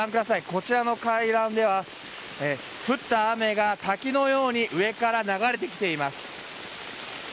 こちらの階段では、降った雨が滝のように上から流れてきています。